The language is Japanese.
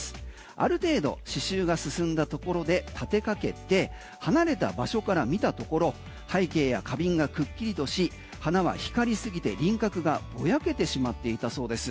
ある程度刺繍が進んだところで立てかけて離れた場所から見たところ背景や花瓶がくっきりとし花は光りすぎて輪郭がぼやけてしまっていたそうです。